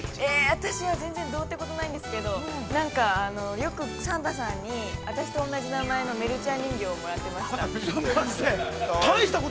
◆私は全然どうってことはないんですけれども、よくサンタさんに私と同じ名前のメルルちゃん人形をもらってました。